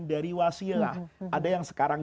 dari wasilah ada yang sekarang